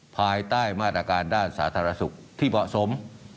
ภายใต้มาตรการด้านสาธารณสุขที่เหมาะสม